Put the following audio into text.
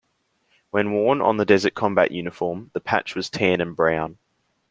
When worn on the Desert Combat Uniform, the patch was tan and brown.